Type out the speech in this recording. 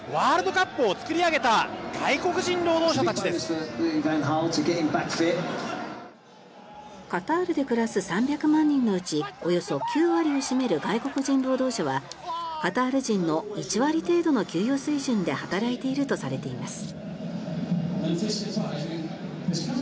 カタールで暮らす３００万人のうちおよそ９割を占める外国人労働者は、カタール人の１割程度の給与水準で働いているとされています。